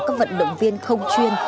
các vận động viên không chuyên